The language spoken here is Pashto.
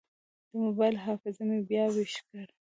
د موبایل حافظه مې بیا ویش کړه.